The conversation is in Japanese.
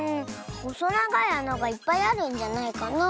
ほそながいあながいっぱいあるんじゃないかなあって。